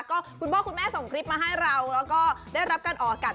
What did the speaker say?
คุณพ่อคุณแม่ส่งคลิปมาให้เราก็ได้รับการออกการ